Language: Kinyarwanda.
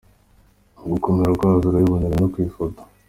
Gukomera kwazo urabibonera no ku ifoto.